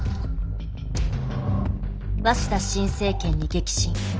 鷲田新政権に激震。